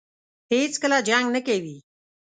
هېڅکله جنګ نه کوي.